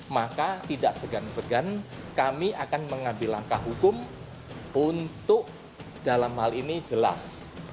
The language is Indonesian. maka tidak segan segan kami akan mengambil langkah hukum untuk dalam hal ini jelas